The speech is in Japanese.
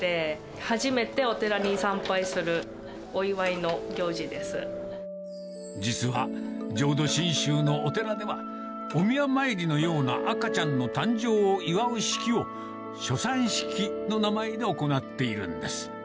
初めてお寺に参拝するお祝いの行実は、浄土真宗のお寺では、お宮参りのような赤ちゃんの誕生を祝う式を、初参式の名前で行っているんです。